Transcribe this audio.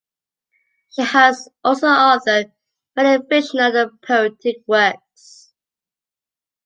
She has also authored many fictional and poetic works.